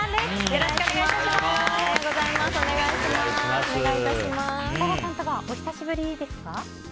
設楽さんとはお久しぶりですか？